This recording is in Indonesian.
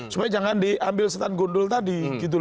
supaya jangan diambil setan gundul tadi